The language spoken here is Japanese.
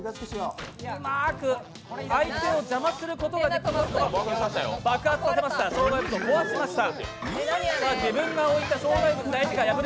うまく相手を邪魔することができますと障害物を壊しました。